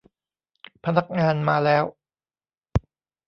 พนักงานมาแล้ว